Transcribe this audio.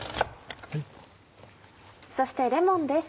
そしてレモンです